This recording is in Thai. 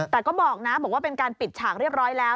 แต่ก็บอกนะบอกว่าเป็นการปิดฉากเรียบร้อยแล้ว